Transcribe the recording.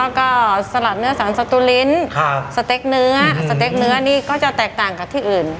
แล้วก็สลัดเนื้อสันสตูลิ้นสเต็กเนื้อสเต็กเนื้อนี่ก็จะแตกต่างกับที่อื่น